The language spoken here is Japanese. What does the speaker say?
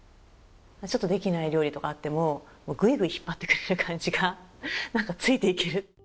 ちょっとできない料理とかあってもグイグイ引っ張ってくれる感じが何かついて行ける。